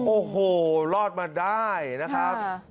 โอ้โหรอดมาได้นะครับ